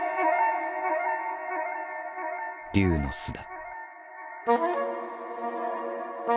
龍の巣だ。